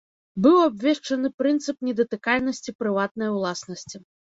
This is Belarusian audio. Быў абвешчаны прынцып недатыкальнасці прыватнай уласнасці.